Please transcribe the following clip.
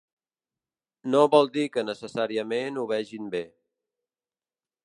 No vol dir que necessàriament ho vegin bé.